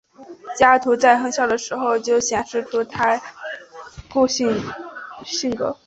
加图在很小的时候就显示出他的固执性格。